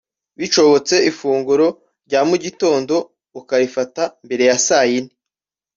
bishobotse ifunguro rya mu gitondo ukarifata mbere ya saa ine